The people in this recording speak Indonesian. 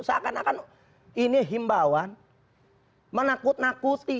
seakan akan ini himbauan menakut nakuti